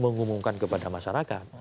mengumumkan kepada masyarakat